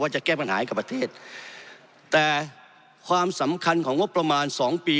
จะแก้ปัญหาให้กับประเทศแต่ความสำคัญของงบประมาณสองปี